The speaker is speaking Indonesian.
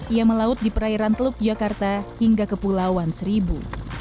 ia melaut di perairan teluk jakarta hingga kepulauan seribu